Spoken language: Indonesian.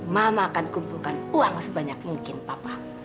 mama akan kumpulkan uang sebanyak mungkin papa